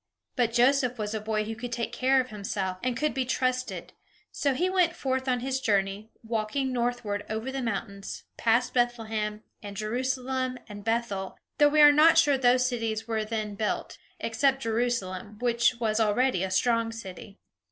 But Joseph was a boy who could take care of himself, and could be trusted; so he went forth on his journey, walking northward over the mountains, past Bethlehem, and Jerusalem, and Bethel though we are not sure those cities were then built, except Jerusalem, which was already a strong city.